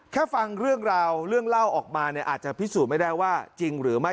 ฟังเรื่องราวเรื่องเล่าออกมาเนี่ยอาจจะพิสูจน์ไม่ได้ว่าจริงหรือไม่